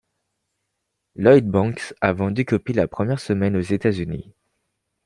Lloyd Banks a vendu copies la première semaine aux États-Unis.